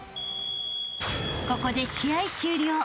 ［ここで試合終了］